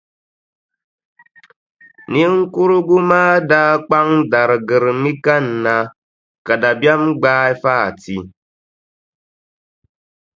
Niŋkurugu maa daa kpaŋ darigirimi kanna, ka dabiɛm gbaai Fati.